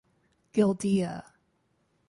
Gildea.